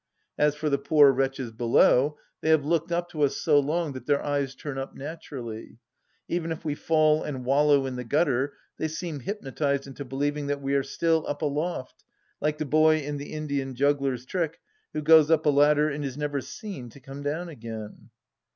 As for the poor wretches below, they have looked up to us so long that their eyes turn up naturally. Even if we fall and wallow in the gutter, they seem hypnotized into believing that we are still up aloft, like the boy in the Indian juggler's trick who goes up a ladder and is never seen to come down again